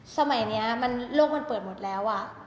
สมัยนี้โลกมันเปิดหมดแล้ว